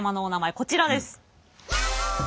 こちらです。